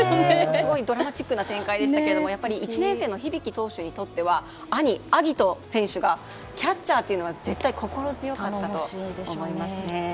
すごいドラマチックな展開でしたけどやっぱり１年生の響投手にとっては兄・晶音選手がキャッチャーというのは絶対心強かったと思いますね。